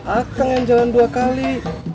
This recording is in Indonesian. akang yang jalan dua kali